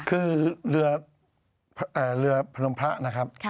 คือเรือพนมพระนะครับ